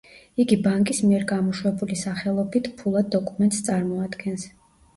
იგი ბანკის მიერ გამოშვებული სახელობით ფულად დოკუმენტს წარმოადგენს.